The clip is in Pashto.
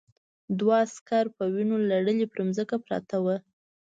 دوه عسکر په وینو لړلي پر ځمکه پراته وو